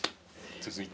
続いて。